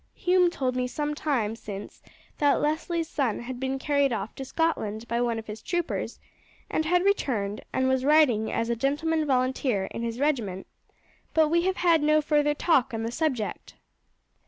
Hume told me some time since that Leslie's son had been carried off to Scotland by one of his troopers, and had returned, and was riding as a gentleman volunteer in his regiment; but we have had no further talk on the subject."